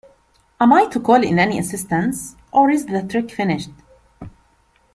Am I to call in any assistance, or is the trick finished?